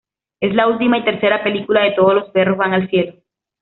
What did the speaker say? Es la última y tercera película de "Todos los perros van al cielo".